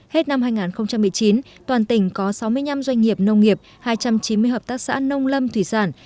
hết năm hai nghìn một mươi chín toàn tỉnh có sáu mươi năm doanh nghiệp nông nghiệp hai trăm chín mươi hợp tác xã nông lâm thủy sản